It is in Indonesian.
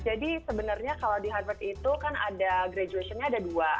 jadi sebenarnya kalau di harvard itu kan ada graduationnya ada dua